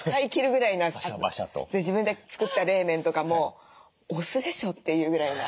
自分で作った冷麺とかもお酢でしょというぐらいな。